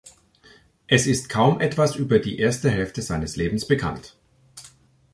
Es ist kaum etwas über die erste Hälfte seines Lebens bekannt.